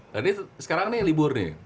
jadi sekarang ini libur nih